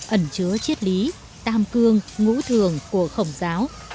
ẩn chứa chiết lý tam cương ngũ thường của khổng giáo